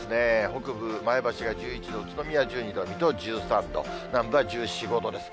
北部、前橋が１１度、宇都宮１２度、水戸１３度、南部は１４、５度です。